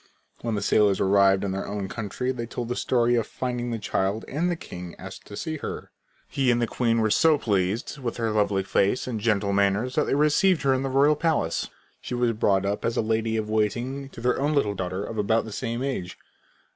When the sailors arrived in their own country they told the story of finding the child and the king asked to see her. He and the queen were so pleased with her lovely face and gentle manners that they received her into the royal palace. She was brought up as a lady of waiting to their own little daughter of about the same age.